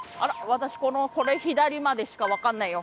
私これ左までしかわかんないよ。